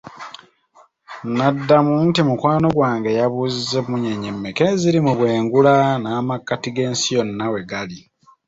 N'addamu nti, mukwano gwange yabuuziza emunyeenye mekka eziri mu bwengula, n'amakkati g'ensi yonna we gali?